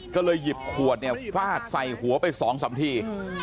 ก็เลยหยิบขวดเนี่ยฟาดใส่หัวไป๒๓ที